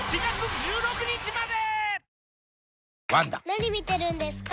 ・何見てるんですか？